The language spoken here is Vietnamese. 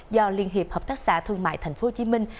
do liên hiệp hợp tác xã thương mại thành phố hồ chí minh